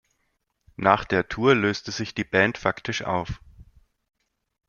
Nach der Tour löste sich die Band faktisch auf.